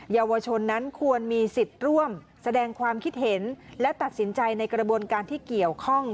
เยาวชนนั้นควรมีสิทธิ์ร่วมแสดงความคิดเห็นและตัดสินใจในกระบวนการที่เกี่ยวข้อง